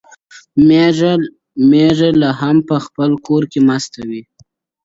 مېږی لا هم په خپل کور کي مست وي.